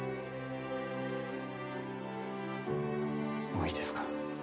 もういいですか？